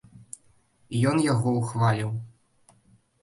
І ён яго ўхваліў.